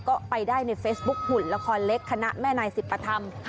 ก็ไปได้ในเฟซบุ๊คหุ่นละครเล็กคณะแม่นายสิบประธรรม